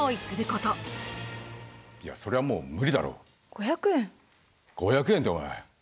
５００円っておい。